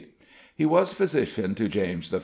He was physician to James I.